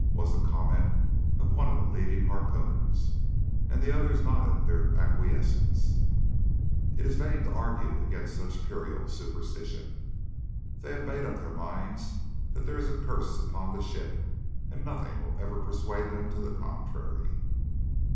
was the comment of one of the leading harpooners, and the others nodded their acquiescence. It is vain to attempt to argue against such puerile superstition. They have made up their minds that there is a curse upon the ship, and nothing will ever persuade them to the contrary.